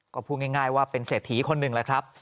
ก็พูดง่ายว่าเป็นเศรษฐีคนหนึ่งแหละครับ